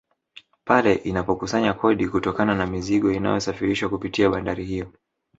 Pale inapokusanya kodi kutokana na mizigo inayosafirishwa kupitia bandari hiyo